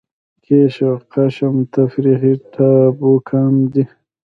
کیش او قشم تفریحي ټاپوګان دي.